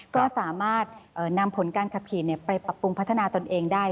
ก็สามารถนำผลการขับขี่ไปปรับปรุงพัฒนาตนเองได้